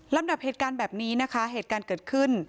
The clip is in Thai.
ดับเหตุการณ์แบบนี้นะคะเหตุการณ์เกิดขึ้น